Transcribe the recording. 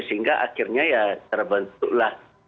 sehingga akhirnya ya terbentuklah